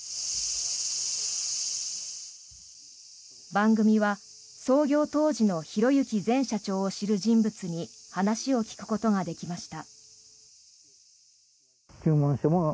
番組は創業当時の宏行前社長を知る人物に話を聞くことができました。